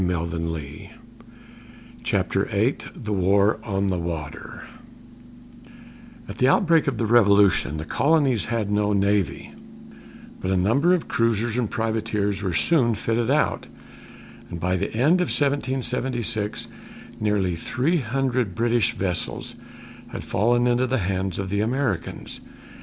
URIAH TERRY. CHAPTER VIII THE WAR ON THE WATER At the outbreak of the Revolution, the colonies had no navy, but a number of cruisers and privateers were soon fitted out, and by the end of 1776 nearly three hundred British vessels had fallen into the hands of the Americans.